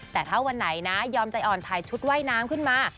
แต่ถ้าวันไหนนะยอมใจอ่อนถ่ายชุดว่ายน้ำขึ้นมา